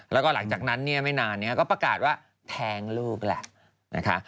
แล้วก็หลังจากนั้นไม่นานก็ประกาศว่าแทงลูกแหละ